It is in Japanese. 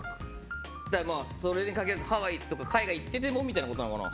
それに限らず、ハワイとか海外に行っててもってことなのかな。